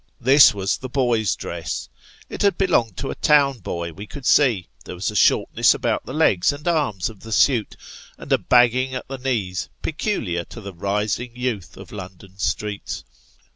This was the boy's dress. It had belonged to a town boy, we could see ; there was a shortness about the legs and arms of the suit ; and a bagging at the knees, peculiar to the rising youth of London streets.